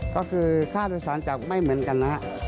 ก็คือค่าโดยสารจะไม่เหมือนกันนะครับ